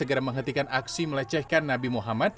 untuk menjadikan aksi melecehkan nabi muhammad